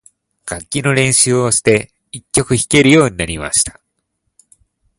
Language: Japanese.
楽器の練習をして、一曲弾けるようになりました。